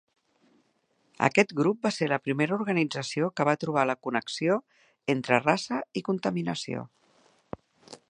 Aquest grup va ser la primera organització que va trobar la connexió entre raça i contaminació.